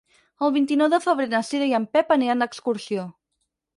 El vint-i-nou de febrer na Cira i en Pep aniran d'excursió.